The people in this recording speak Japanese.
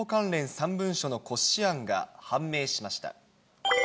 ３文書の骨子案が判明しました。